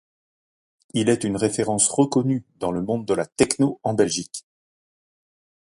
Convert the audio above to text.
Il est une référence reconnue dans le monde de la techno en Belgique.